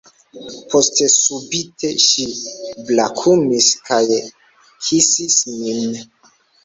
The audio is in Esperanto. Poste subite ŝi brakumis kaj kisis min.